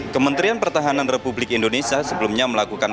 kementerian pertahanan republik indonesia sebelumnya melakukan